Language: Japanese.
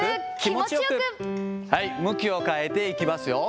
向きを変えていきますよ。